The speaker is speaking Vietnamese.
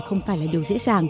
không phải là điều dễ dàng